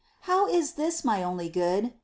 5. How is this, my only Good ?